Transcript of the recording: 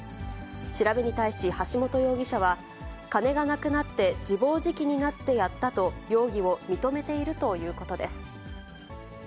調べに対し橋本容疑者は、金がなくなって自暴自棄になってやったと、容疑を認めているということです。